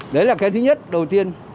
đấy là cái thứ nhất đầu tiên